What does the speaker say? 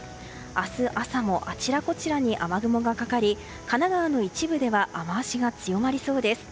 明日朝もあちらこちらに雨雲がかかり神奈川の一部では雨脚が強まりそうです。